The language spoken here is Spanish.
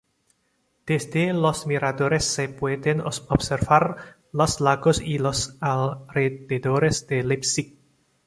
Desde los miradores se pueden observar los lagos y los alrededores de Leipzig.